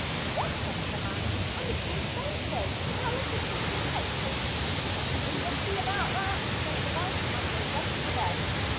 "Yes," said the man, "and it will stay so; now let us be con tent ed. "'' We will see a bout that, '' said the wife, and they went to bed.